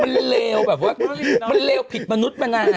มันเลวแบบว่ามันเลวผิดมนุษย์มานาน